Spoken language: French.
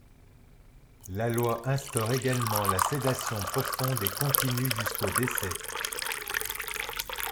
La loi instaure également la sédation profonde et continue jusqu’au décès.